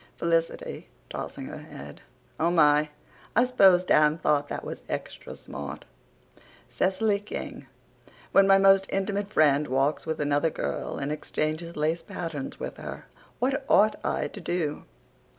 (FELICITY, TOSSING HER HEAD: "Oh, my! I s'pose Dan thought that was extra smart.") C y K g: When my most intimate friend walks with another girl and exchanges lace patterns with her, what ought I to do?